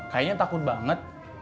kayaknya takut banget